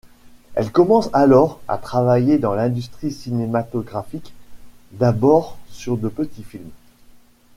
Elle commence alors à travailler dans l'industrie cinématographique, d'abord sur de petits films.